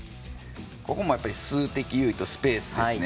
ここも数的優位とスペースですね。